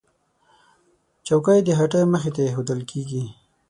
چوکۍ د هټۍ مخې ته ایښودل کېږي.